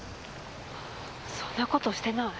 そんなことしてない。